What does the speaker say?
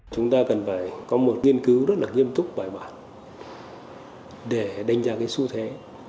chúng ta cần phải có một nghiên cứu rất nghiêm túc và bài bản để đánh giá xu thế